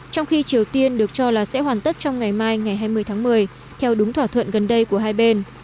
trong khi triều tiên được cho là sẽ hoàn tất trong ngày mai ngày hai mươi tháng một mươi theo đúng thỏa thuận gần đây của hai bên